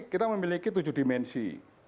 kita memiliki tujuh dimensi